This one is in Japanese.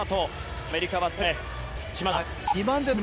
アメリカに。